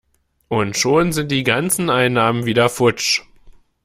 Und schon sind die ganzen Einnahmen wieder futsch!